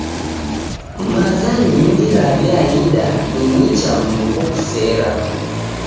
Maza nyingi raw'iaida ni nicha mndu kukusera.